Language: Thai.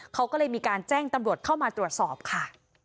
เขาก็เลยมีการแจ้งตำรวจเข้ามาตรวจสอบค่ะ